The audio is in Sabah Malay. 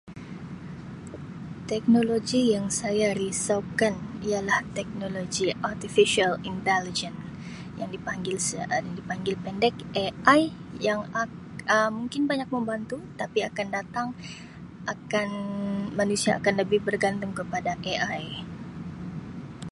Teknologi yang saya risaukan ialah teknologi 'Artificial Intelligence' yang dipanggil se- yang dipanggil pendek 'AI' yang ak-[Um] mungkin banyak membantu tapi akan datang akan-manusia akan lebih bergantung kepada 'AI'.